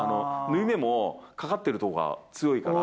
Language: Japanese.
縫い目もかかってるところが強いから。